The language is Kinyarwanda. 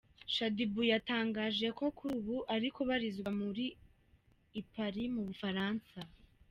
Shaddyboo yatangaje ko kuri ubu ari kubarizwa mubu I Paris mu bufaransa .